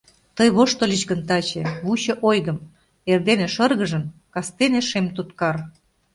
Тый воштыльыч гын таче — вучо ойгым, Эрдене шыргыжын — кастене шем туткар!